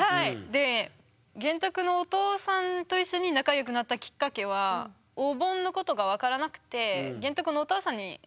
で玄徳のお父さんと一緒に仲良くなったきっかけはお盆のことが分からなくて玄徳のお父さんに聞いたんですよ。